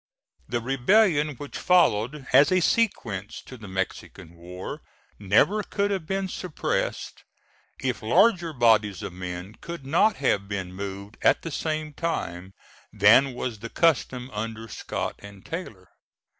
The rebellion, which followed as a sequence to the Mexican war, never could have been suppressed if larger bodies of men could not have been moved at the same time than was the custom under Scott and Taylor.